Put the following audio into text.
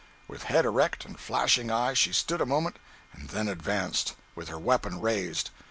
With head erect and flashing eye she stood a moment and then advanced, with her weapon raised.